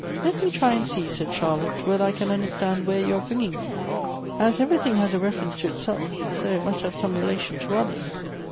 / "Let me try and see," said Charlotte "whether I can : understand where you are bringing me. As everything has a reference to itself, so it must have some relation to others."